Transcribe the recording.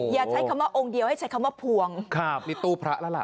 อย่าใช้คำว่าองค์เดียวให้ใช้คำว่าพวงครับนี่ตู้พระแล้วล่ะ